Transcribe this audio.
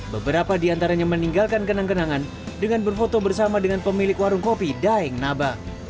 beberapa di antaranya meninggalkan kenang kenangan dengan berfoto bersama dengan pemilik warung kopi daeng naba